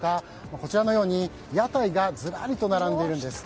こちらのように屋台がずらりと並んでいるんです。